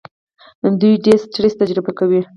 دوی ډېر سټرس تجربه کوي.